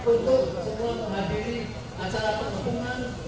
untuk semua penghadiri acara penghubungan